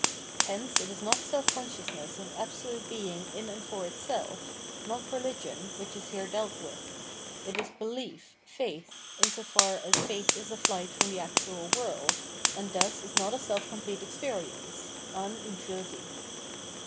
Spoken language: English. Hence it is not self consciousness of Absolute Being in and for itself, not Eehgion, which is here dealt with : it is Behef, Faith, in so far as faith is a flight from the actual world, and thus is not a self complete experience {an und fur sich).